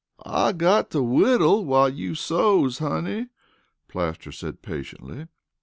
"I got to whittle while you sews, honey," Plaster said patiently.